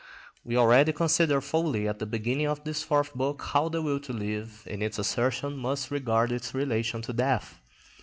We already considered fully at the beginning of this Fourth Book how the will to live in its assertion must regard its relation to death.